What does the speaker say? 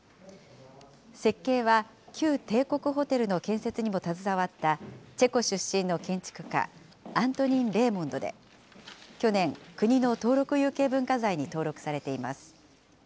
設計は旧帝国ホテルの建設にも携わったチェコ出身の建築家、アントニン・レーモンドで、去年、国の登録有形文化財に登録されています。